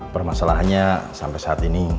permasalahannya sampai saat ini